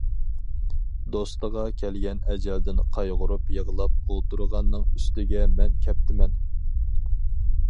دوستىغا كەلگەن ئەجەلدىن قايغۇرۇپ يىغلاپ ئولتۇرغاننىڭ ئۈستىگە مەن كەپتىمەن.